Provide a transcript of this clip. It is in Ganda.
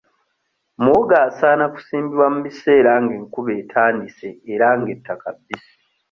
Muwogo asaana kusimbibwa mu biseera ng'enkuba etandise era ng'ettaka bbisi.